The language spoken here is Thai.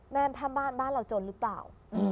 แม่ถ้าบ้านบ้านเราจนหรือเปล่า